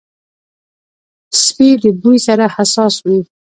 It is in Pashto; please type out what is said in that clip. سپي د بوی سره حساس وي.